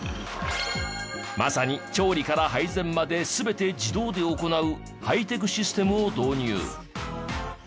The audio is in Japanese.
まさに調理から配膳まで全て自動で行うハイテクシステムを導入。